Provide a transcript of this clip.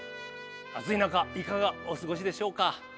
暑い中いかがお過ごしでしょうか。